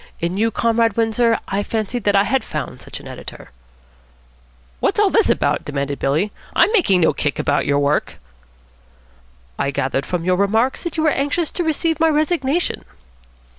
In you, Comrade Windsor, I fancied that I had found such an editor." "What's all this about?" demanded Billy. "I'm making no kick about your work." "I gathered from your remarks that you were anxious to receive my resignation."